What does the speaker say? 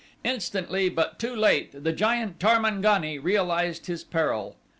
Instantly, but too late, the giant Tarmangani realized his peril.